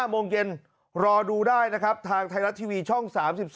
โมงเย็นรอดูได้นะครับทางไทยรัฐทีวีช่อง๓๒